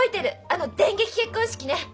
あの電撃結婚式ね！